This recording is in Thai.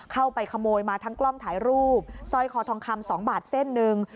เข้าไปขโมยมาทั้งกล้องถ่ายรูปสร้อยคอทองคำ๒บาทเส้นหนึ่ง